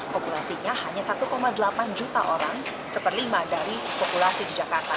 populasinya hanya satu delapan juta orang satu per lima dari populasi di jakarta